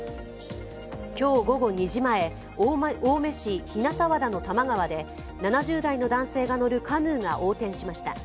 今日午後２時前、青梅市日向和田の多摩川で７０代の男性が乗るカヌーが横転しました。